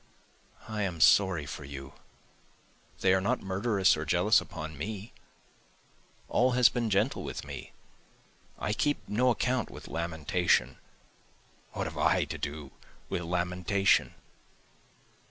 I am sorry for you, they are not murderous or jealous upon me, All has been gentle with me, I keep no account with lamentation, (What have I to do with lamentation?)